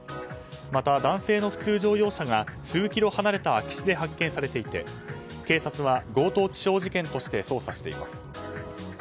また、男性の普通乗用車が数キロ離れた空き地で発見されていて警察は強盗致傷事件として捜査しています。